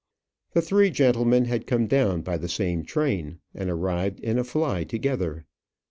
The three gentlemen had come down by the same train, and arrived in a fly together.